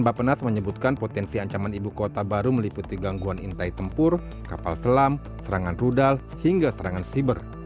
bapak penas menyebutkan potensi ancaman ibu kota baru meliputi gangguan intai tempur kapal selam serangan rudal hingga serangan siber